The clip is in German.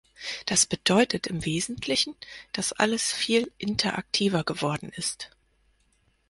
Das bedeutet im Wesentlichen, dass alles viel interaktiver geworden ist.